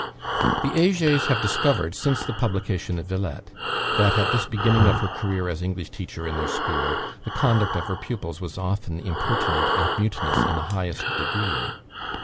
The Hegers have discovered, since the publication of "Villette," that at this beginning of her career as English teacher in their school, the conduct of her pupils was often impertinent and mutinous in the highest degree.